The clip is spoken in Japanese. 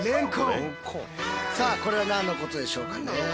さあこれは何のことでしょうかね？